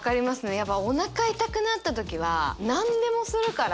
やっぱおなか痛くなった時は何でもするから。